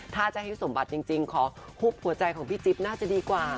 ถ้าจะให้สมบัติจริงขอหุบหัวใจของพี่จิ๊บน่าจะดีกว่า